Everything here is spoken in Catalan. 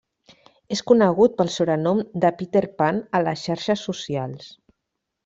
És conegut pel sobrenom de Peter Pan a les xarxes socials.